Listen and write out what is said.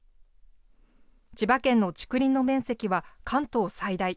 千葉県の竹林の面積は関東最大。